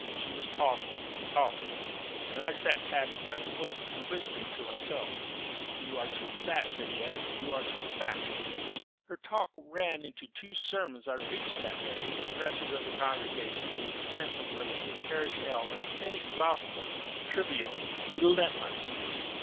She was talking talking; and I sat tapping my foot and whispering to myself, 'You are too fat, Lydia, you are too fat.' Her talk ran on the two sermons I had preached that day, the dresses of the congregation, the expense of living, the parish ailments inexhaustible, trivial, relentless.